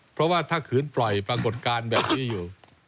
เพราะว่าถ้าขืนปล่อยปรากฏการณ์แบบนี้อยู่